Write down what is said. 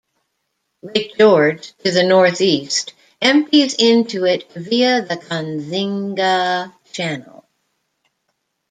Lake George to the northeast empties into it via the Kazinga Channel.